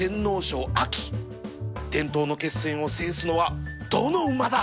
伝統の決戦を制すのはどの馬だ